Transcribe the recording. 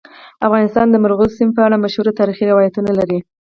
افغانستان د مورغاب سیند په اړه مشهور تاریخي روایتونه لري.